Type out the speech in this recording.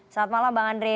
selamat malam bang andre